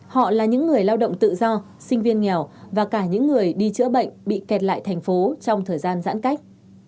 họ là những người lao động tự do sinh viên nghèo và cả những người đi chữa bệnh bị kẹt lại thành phố trong thời gian giãn cách